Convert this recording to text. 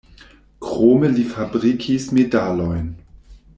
Krome li fabrikis medalojn.